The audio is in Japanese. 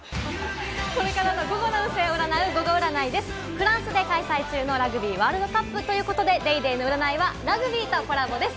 フランスで開催中のラグビーワールドカップということで、『ＤａｙＤａｙ．』の占いはラグビーとコラボです。